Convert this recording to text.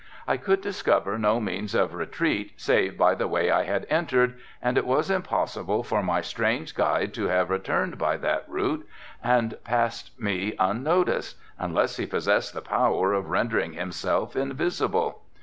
I could discover no means of retreat save by the way I had entered and it was impossible for my strange guide to have returned by that route and passed me unnoticed, unless he possessed the power of rendering himself invisible.